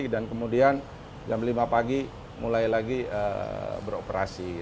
dan kemudian jam lima pagi mulai lagi beroperasi